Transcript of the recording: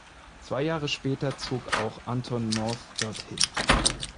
Zwei Jahre später zog auch Anton Mauve dorthin.